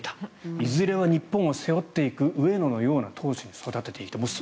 いずれは日本を背負っていく上野のような投手に育てていきたいと。